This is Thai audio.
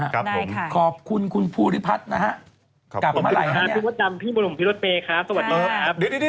ครับผมขอบคุณคุณภูริพัฒน์นะฮะขอบคุณคุณครับพี่มดดำพี่มดดมพี่รถเมย์ครับสวัสดีครับ